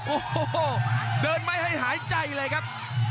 โอ้โหเดินไม่ให้หายใจเลยครับ